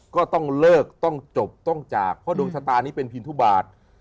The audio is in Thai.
ก็ต้องเลิกต้องจบต้องจากเพราะดวงชะตานี้เป็นพินทุบาท